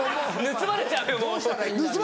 盗まれちゃうよ。